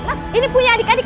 pak ini punya adik adik